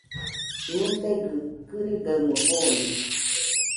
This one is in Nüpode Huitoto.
Musegɨ kɨrigamo jone.